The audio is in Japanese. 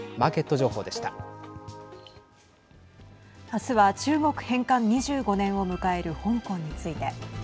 あすは中国返還２５年を迎える香港について。